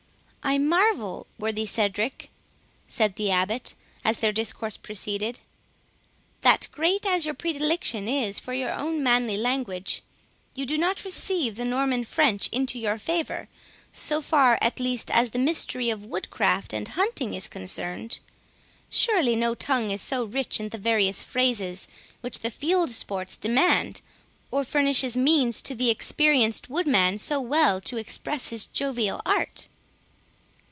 "I marvel, worthy Cedric," said the Abbot, as their discourse proceeded, "that, great as your predilection is for your own manly language, you do not receive the Norman French into your favour, so far at least as the mystery of wood craft and hunting is concerned. Surely no tongue is so rich in the various phrases which the field sports demand, or furnishes means to the experienced woodman so well to express his jovial art."